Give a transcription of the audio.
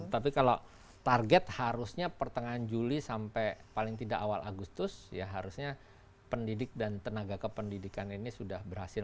tapi kalau target harusnya pertengahan juli sampai paling tidak awal agustus ya harusnya pendidik dan tenaga kependidikan ini sudah berhasil